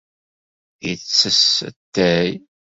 Yettess atay?